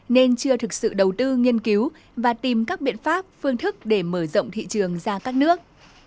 nên chưa thực sự đầu tư nghiên cứu và tìm các biện pháp phương thức để mở rộng thị trường ra các nước